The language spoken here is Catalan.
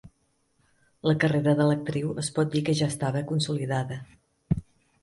La carrera de l'actriu es pot dir que ja estava consolidada.